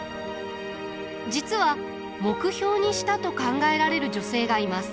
実は目標にしたと考えられる女性がいます。